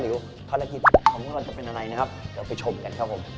เดี๋ยวไปชมกันครับผม